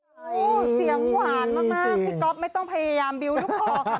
โอ้โหเสียงหวานมากพี่ก๊อฟไม่ต้องพยายามบิวลูกคอค่ะ